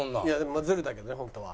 まあズルだけどねホントは。